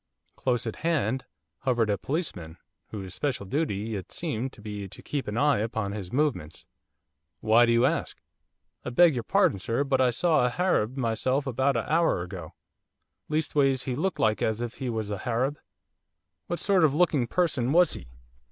Close at hand hovered a policeman whose special duty it seemed to be to keep an eye upon his movements. 'Why do you ask?' 'I beg your pardon, sir, but I saw a Harab myself about a hour ago, leastways he looked like as if he was a Harab.' 'What sort of a looking person was he?